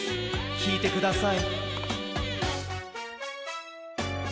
きいてください。